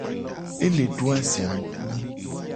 E le do azia ngku.